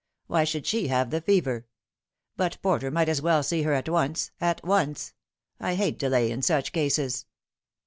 Why should she have the fever ? But Porter might as well see her at once at once. I hate delay in such cases."